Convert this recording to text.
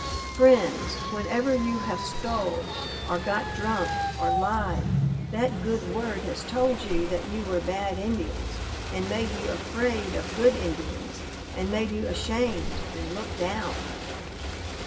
"Friends! whenever you have stole, or got drunk, or lied, that good word has told you that you were bad Indians, and made you afraid of good Indians; and made you ashamed and look down.